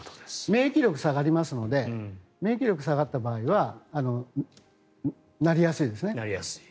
免疫力が下がりますので免疫力下がった場合はなりやすいですね。